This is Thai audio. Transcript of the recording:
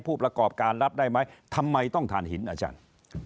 ผู้ประกอบการรับได้ไหมทำไมต้องถ่านหินอาจารย์